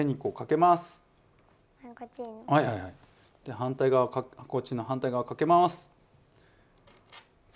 反対側こっちの反対側かけます。